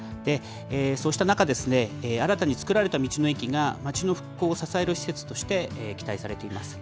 そうした中ですね、新たに作られた道の駅が、町の復興を支える施設として期待されています。